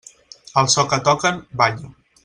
Al so que toquen, balla.